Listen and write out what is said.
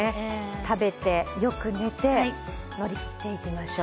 食べて、よく寝て、乗り切っていきましょう。